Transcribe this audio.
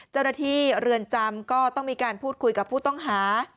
เจ้าหน้าที่เรือนจำก็ต้องมีการพูดคุยกับผู้ต้องหา